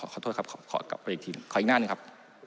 ขอโทษครับขอกลับไปอีกทีขออีกหน้าหนึ่งครับ